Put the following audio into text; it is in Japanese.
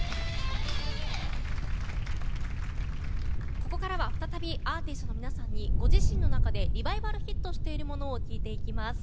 ここからは再びアーティストの皆さんにご自身の中でリバイバルヒットしているものを聞いていきます。